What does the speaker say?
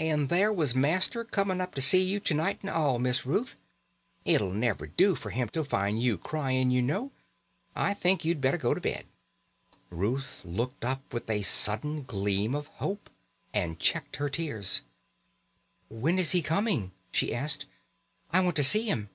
"And there was master coming up to see you to night and all, Miss Ruth. It'll never do for him to find you crying, you know. I think you'd better go to bed." Ruth looked up with a sudden gleam of hope, and checked her tears. "When is he coming?" she asked. "I want to see him."